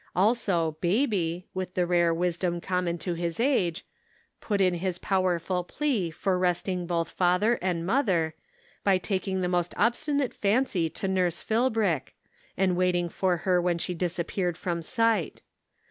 Also baby, with the rare wisdom common to his age, put in his powerful plea for resting both The Answer. 371 father and mother, by taking the most ob stinate fancy to nurse Philbrick, and waiting for her when she disappeared from sight.